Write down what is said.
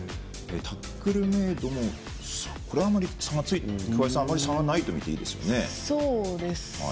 タックルメードもこれはあまり差がついてないと見ていいですよね、桑井さん。